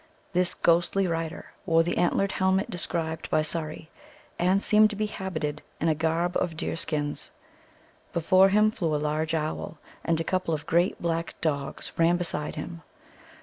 This ghostly rider wore the antlered helmet described by Surrey, and seemed to be habited in a garb of deer skins. Before him flew a large owl, and a couple of great black dogs ran beside him.